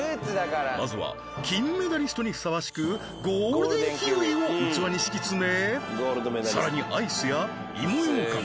まずは金メダリストにふさわしくを器に敷き詰めさらにアイスや芋ようかん